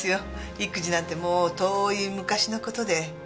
育児なんてもう遠い昔の事で。